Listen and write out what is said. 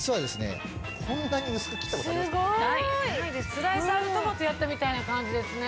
スライサーでトマトやったみたいな感じですね。